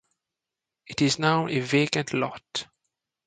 It is now a vacant lot.